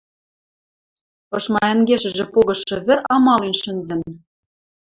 Ышма ӓнгешӹжӹ погышы вӹр амален шӹнзӹн.